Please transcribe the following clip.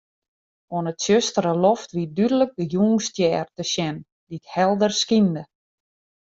Oan 'e tsjustere loft wie dúdlik de Jûnsstjer te sjen, dy't helder skynde.